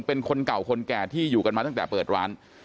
เป็นคนเก่าคนแก่ที่อยู่กันมาตั้งแต่เปิดร้าน